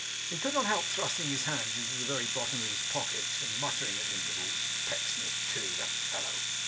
He could not help thrusting his hands to the very bottom of his pockets, and muttering at intervals, 'Pecksniff too! That fellow!